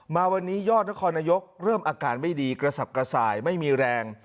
มาวันนี้ยอดนครนายกเริ่มอาการไม่ดีกระสับกระส่ายไม่มีแรง